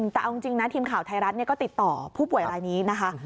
แต่เอาจริงนะทีมข่าวไทยรัฐก็ติดต่อผู้ป่วยรายนี้นะคะ